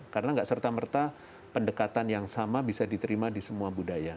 karena tidak serta merta pendekatan yang sama bisa diterima di semua budaya